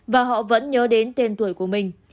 và họ vẫn nhớ đến tên tuổi của mình